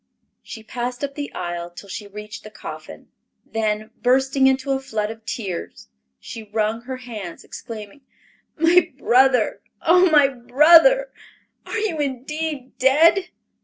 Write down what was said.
She passed up the aisle till she reached the coffin, then bursting into a flood of tears, she wrung her hands, exclaiming, "My brother, oh my brother—are you indeed dead?"